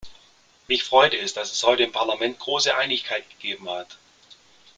Mich freut es, dass es heute im Parlament große Einigkeit gegeben hat.